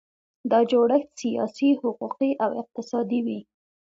دا جوړښت سیاسي، حقوقي او اقتصادي وي.